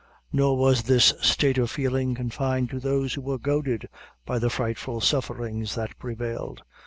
Nor was this state of feeling confined to those who were goaded by the frightful sufferings that prevailed.